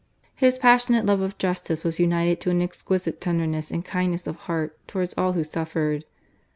His passionate love of justice was united to an exquisite tenderness and kindness of heart towards all who suffered.